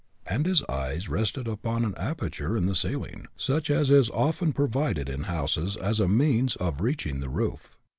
and his eyes rested upon an aperture in the ceiling, such as is often provided in houses as a means of reaching the roof.